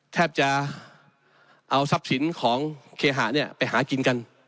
แทบจะเอาทรัพย์สินของเคหะเนี่ยไปหากินกัน